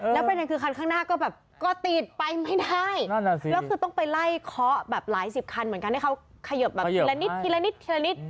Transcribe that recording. แล้วประกันขึ้นข้างหน้าก็ตีดไปไม่ได้แล้วคือต้องไปไล่เคาะหลายสิบคันเหมือนกัน